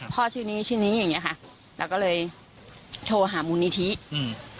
ชื่อนี้ชื่อนี้อย่างเงี้ยค่ะเราก็เลยโทรหามูลนิธิอืม